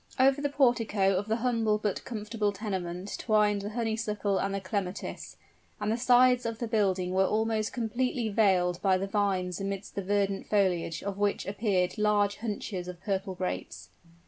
Over the portico of the humble but comfortable tenement twined the honeysuckle and the clematis; and the sides of the building were almost completely veiled by the vines amidst the verdant foliage of which appeared large hunches of purple grapes.